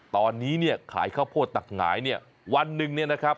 ตอนนี้เนี่ยขายข้าวโพดตักหงายเนี่ยวันหนึ่งเนี่ยนะครับ